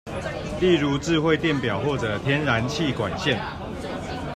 例如智慧電錶或者天然氣管線